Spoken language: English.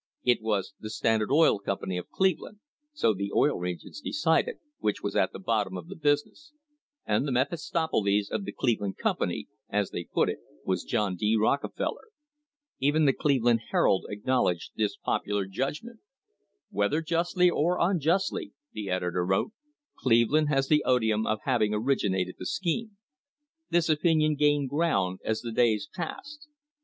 It was the Standard Oil Company of Cleveland, so the Oil Regions decided, which was at the bottom of the business, and the "Mephistopheles of the Cleveland company," as they put it, was JohoJD. Rockefeller. Even the Cleveland Herald acknowledged this popular judgment. "Whether justly or unjustly," the editor wrote, "Cleveland has the odium of hav ing originated the scheme." This opinion gained ground as the days passed.